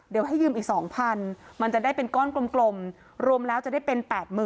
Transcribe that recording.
เดี๋ยวให้ยืมอีก๒๐๐มันจะได้เป็นก้อนกลมรวมแล้วจะได้เป็น๘๐๐๐